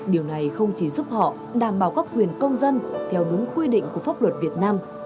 điều này không chỉ giúp họ đảm bảo các quyền công dân theo đúng quy định của pháp luật việt nam